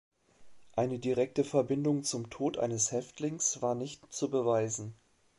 Eine direkte Verbindung zum Tod eines Häftlings war nicht zu beweisen.